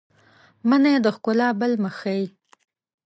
منی د ښکلا بل مخ ښيي